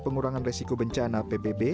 pengurangan resiko bencana pbb